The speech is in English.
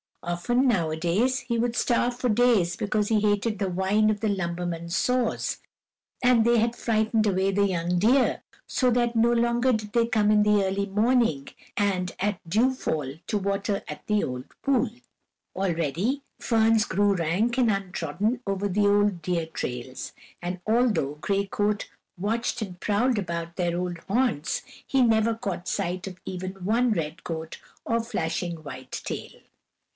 Often, nowadays, he would starve for days because he hated the whine of the lumbermen's saws, and they had frightened away the young deer, so that no longer did they come in early morning and at dew fall to water at the old pool. Already ferns grew rank and untrodden over the old deer trails, and although Gray Coat watched and prowled about their old haunts, he never caught sight of even one red coat or flashing white tail.